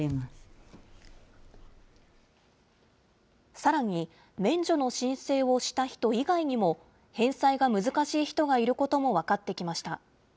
さらに、免除の申請をした人以外にも、返済が難しい人がいることも分かってきました。